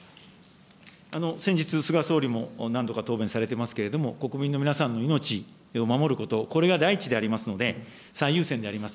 先日、菅総理も何度か答弁されてますけど、国民の皆さんの命を守ること、これが第一でありますので、最優先であります。